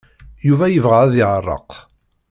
Yuba yebɣa ad yeɛreq.